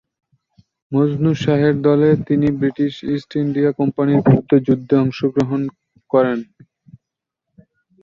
মজনু শাহের দলে তিনি ব্রিটিশ ইস্ট ইন্ডিয়া কোম্পানির বিরুদ্ধে যুদ্ধে অংশগ্রহণ করেন।